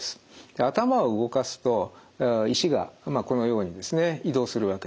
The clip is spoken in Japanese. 頭を動かすと石がこのようにですね移動するわけです。